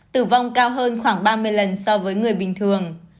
tử vong cao hơn khoảng ba mươi lần so với người bình thường